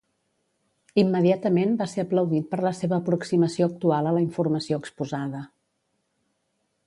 Immediatament va ser aplaudit per la seva aproximació actual a la informació exposada.